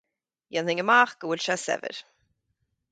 Dhéanfainn amach go bhfuil sé saibhir.